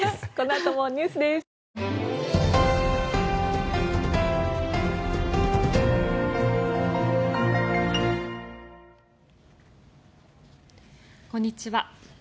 こんにちは。